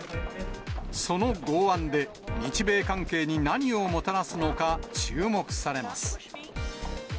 その豪腕で日米関係に何をもたらすのか注目されます。